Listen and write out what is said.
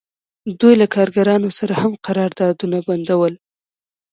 دوی له کارګرانو سره هم قراردادونه بندول